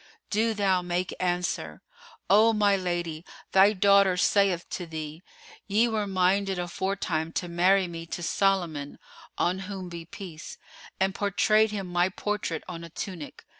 do thou make answer, O my lady, thy daughter saith to thee, "Ye were minded aforetime to marry me to Solomon (on whom be peace!) and portrayed him my portrait on a tunic.